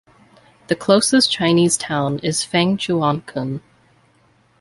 The closest Chinese town is Fangchuancun.